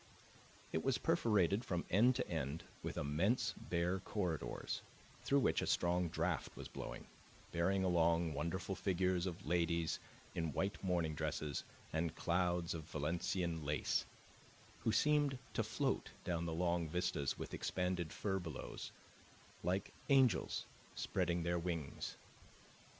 It was perforated from end to end with immense bare corridors, through which a strong draught was blowing bearing along wonderful figures of ladies in white morning dresses and clouds of Valenciennes lace, who seemed to float down the long vistas with expanded furbelows, like angels spreading their wings.